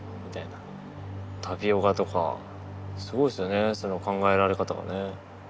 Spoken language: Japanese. タピオカとかすごいっすよねその考えられ方がね。